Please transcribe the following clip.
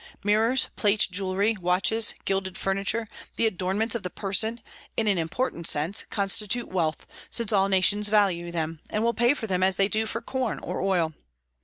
Mirrors, plate, jewelry, watches, gilded furniture, the adornments of the person, in an important sense, constitute wealth, since all nations value them, and will pay for them as they do for corn or oil.